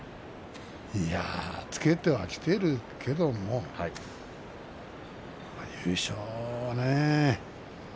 いやつけてきているけれども優勝はね。